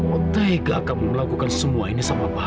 mau teh gak kamu melakukan semua ini sama pak